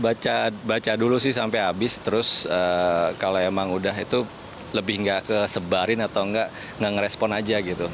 baca dulu sih sampai habis terus kalau emang udah itu lebih nggak kesebarin atau enggak nggak ngerespon aja gitu